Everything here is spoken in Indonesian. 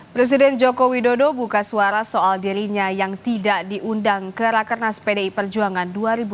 presiden joko widodo buka suara soal dirinya yang tidak diundang ke rakernas pdi perjuangan dua ribu dua puluh